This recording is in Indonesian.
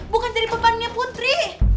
bukan jadi pemangnya putri